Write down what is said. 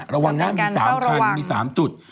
ระวังนะมี๓คันมี๓จุด